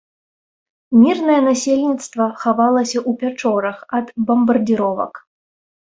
Мірнае насельніцтва хавалася ў пячорах ад бамбардзіровак.